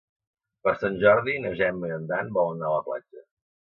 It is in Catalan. Per Sant Jordi na Gemma i en Dan volen anar a la platja.